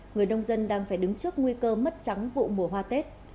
người nông dân đang phải đứng trước nguy cơ mất trắng vụ mùa hoa tết